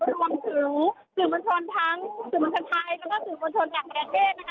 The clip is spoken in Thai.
รวมถือสื่อวนทนทั้งสื่อวนทนไทยและก็สื่นวนทนภาคนาชนิดนะคะ